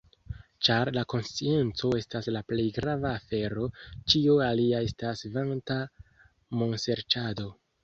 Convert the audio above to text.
Ĉar la konscienco estas la plej grava afero, ĉio alia estas vanta monserĉado.